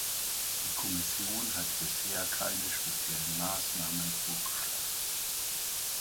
Die Kommission hat bisher keine speziellen Maßnahmen vorgeschlagen.